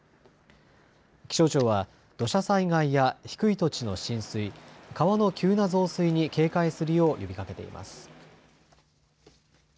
気象庁は土砂災害や低い土地の浸水、川の急な増水に警戒するよう呼びかけています。